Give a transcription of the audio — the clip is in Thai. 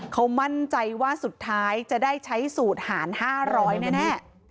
เขามั่นใจว่าสุดท้ายจะได้ใช้สูตรหาร๕๐๐แน่